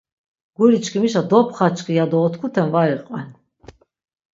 Guri çkimişa dopxaçki yado otkuten var iqven.